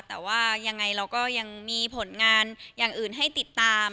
แต่ว่ายังไงเราก็ยังมีผลงานอย่างอื่นให้ติดตาม